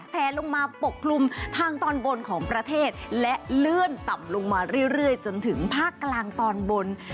แผลลงมาปกคลุมทางตอนบนของประเทศและเลื่อนต่ำลงมาเรื่อยจนถึงภาคกลางตอนบน